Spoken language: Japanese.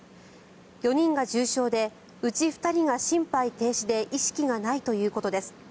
４人が重傷でうち２人が心肺停止で意識がないということです。